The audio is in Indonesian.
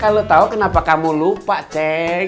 ya kalau tau kenapa kamu lupa ceng